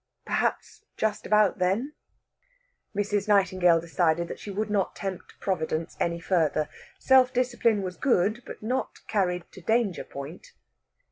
Perhaps just about then." Mrs. Nightingale decided that she would not tempt Providence any further. Self discipline was good, but not carried to danger point.